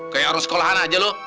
kayak orang sekolahan aja loh